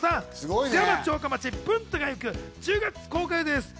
『津山城下町文太がゆく』、１０月公開です。